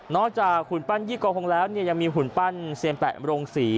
นอกจากขุนปั้นยี่กรคงแล้วยังมีขุนปั้นเซียน๘โรงสี